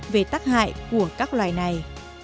về tác hại của các loài này